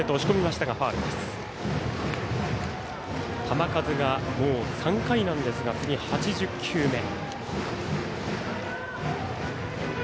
球数が３回なんですがもう８０球目。